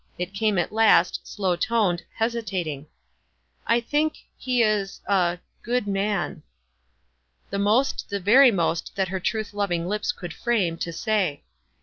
It came at last, slow toned, hesitating: f; I think — he is — a — good man." The most, the very most, that her truth lov ing lips could frame, to say.